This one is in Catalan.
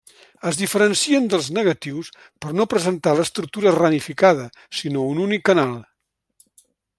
Es diferencien dels negatius per no presentar l’estructura ramificada, sinó un únic canal.